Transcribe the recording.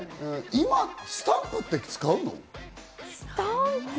今、スタンプって使うの？